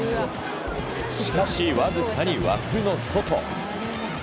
しかし、わずかに枠の外。